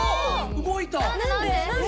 動いた。